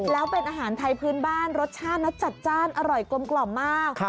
แล้วเป็นอาหารไทยพื้นบ้านรสชาตินะจัดจ้านอร่อยกลมมาก